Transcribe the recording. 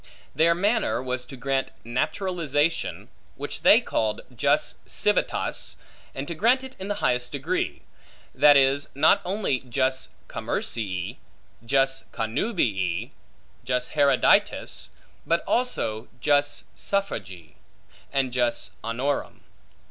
Their manner was to grant naturalization (which they called jus civitatis), and to grant it in the highest degree; that is, not only jus commercii, jus connubii, jus haereditatis; but also jus suffragii, and jus honorum.